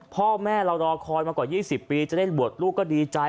พ่อแม่เรารอคอยมากว่า๒๐ปีจะได้บวชลูกก็ดีใจ